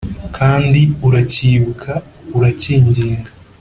kandi, uracyibuka, uracyinginga.